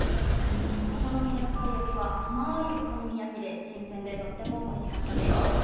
お好み焼きたい焼きは甘いお好み焼きで新鮮でとってもおいしかったです。